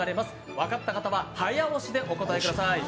分かった方は早押しでお答えください。